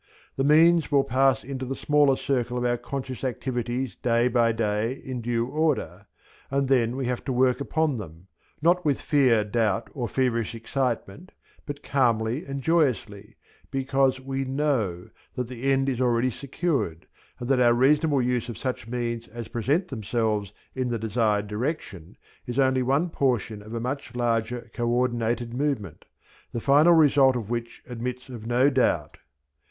The means will pass into the smaller circle of our conscious activities day by day in due order, and then we have to work upon them, not with fear, doubt, or feverish excitement, but calmly and joyously, because we know that the end is already secured, and that our reasonable use of such means as present themselves in the desired direction is, only one portion of a much larger co ordinated movement, the final result of which admits of no doubt.